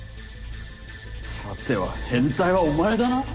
さては変態はお前だな？